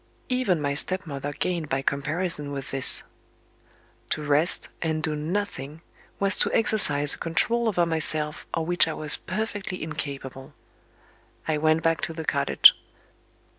Even my stepmother gained by comparison with this. To rest, and do nothing, was to exercise a control over myself of which I was perfectly incapable. I went back to the cottage.